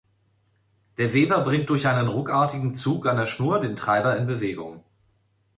Der Weber bringt durch einen ruckartigen Zug an der Schnur den Treiber in Bewegung.